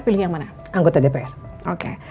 pilih yang mana anggota dpr oke